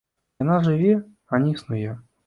Яна жыве, а не існуе.